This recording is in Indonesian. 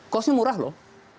cost nya murah loh